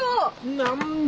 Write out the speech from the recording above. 何だ？